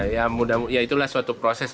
ya itulah suatu proses